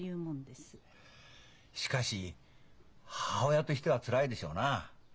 しかし母親としてはつらいでしょうなあ。